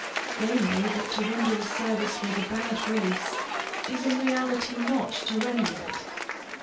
They know that to render a service with a bad grace, is in reality not to render it.